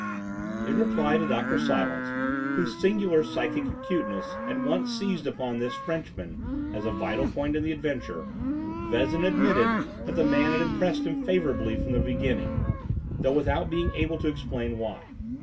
In reply to Dr. Silence, whose singular psychic acuteness at once seized upon this Frenchman as a vital point in the adventure, Vezin admitted that the man had impressed him favourably from the beginning, though without being able to explain why.